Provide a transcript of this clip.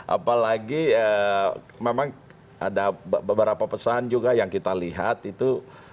apalagi memang ada beberapa pesan juga yang kita lihat itu